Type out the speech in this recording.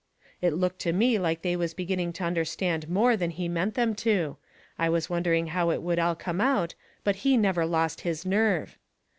It looked to me like they was beginning to understand more than he meant them to. I was wondering how it would all come out, but he never lost his nerve.